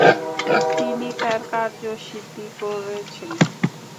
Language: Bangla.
তিনি তাঁর কার্য সিদ্ধি করেছেন।